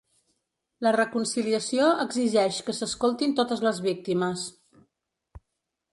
La reconciliació exigeix que s’escoltin totes les víctimes.